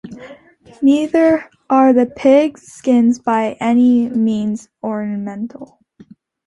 Neither are the pig-skins by any means ornamental.